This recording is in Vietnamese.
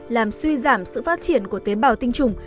làm suy giảm sự phát triển của tế bào tinh trùng